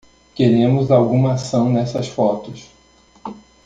Queremos alguma ação nessas fotos.